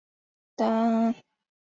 奥尔谢斯。